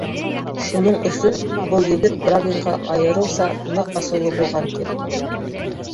Шуның өсөн был егет Брагинға айырыуса ныҡ асыулы булған, ти.